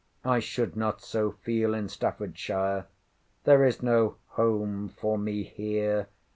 I should not so feel in Staffordshire. There is no home for me here.